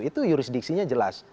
itu jurisdiksinya jelas